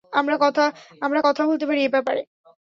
আমরা কথা বলতে পারি এ ব্যাপারে।